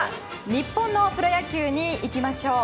日本のプロ野球にいきましょう。